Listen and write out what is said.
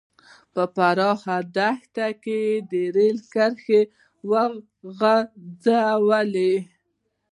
په پراخو دښتو کې یې رېل کرښې وغځولې.